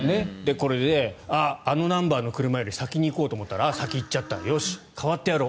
これであのナンバーの車より先に行こうと思ったら先に行っちゃったよし、変わってやろう。